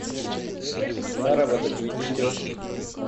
Заработок ведь идет.